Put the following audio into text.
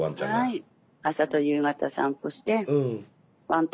はい。